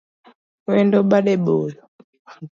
Wendo bade boyo